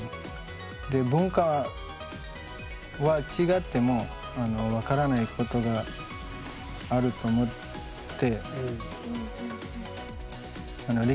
で文化は違っても分からないことがあると思って。